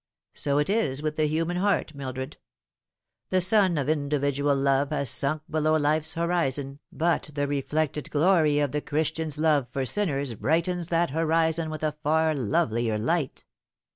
So it is with the human heart, Mildred. The sun of individual love has sunk below life's horizon, but the reflected glory of the Christian's love for sinners brightens that horizon with a far lovelier light."